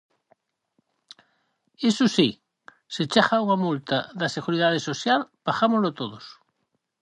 Iso si, "se chega unha multa da seguridade social, pagámolo todos".